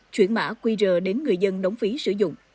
chuyển mã quy rờ đến người dân đóng phí sử dụng